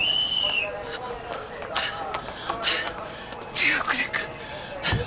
手遅れか。